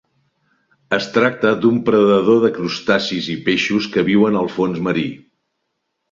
Es tracta d'un predador de crustacis i peixos que viuen al fons marí.